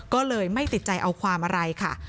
ก็เลยไม่ติดใจเอาความอะไรค่ะ